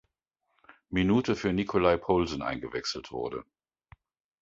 Minute für Nicolai Poulsen eingewechselt wurde.